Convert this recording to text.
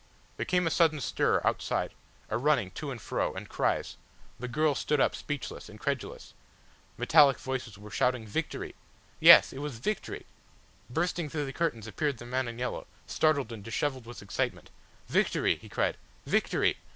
There came a sudden stir outside, a running to and fro, and cries. The girl stood up, speechless, incredulous. Metallic voices were shouting "Victory!" Yes it was "Victory!" Bursting through the curtains appeared the man in yellow, startled and dishevelled with excitement, "Victory," he cried, "victory!